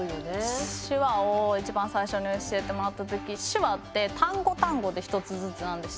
手話を一番最初に教えてもらった時手話って単語単語で１つずつなんです。